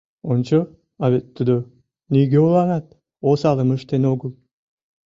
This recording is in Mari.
Ончо, а вет тудо нигӧланат осалым ыштен огыл.